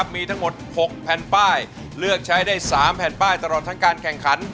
มีทั้งหมด๖แผ่นป้ายเลือกใช้ได้๓แผ่นป้ายตลอดทั้งการแข่งขัน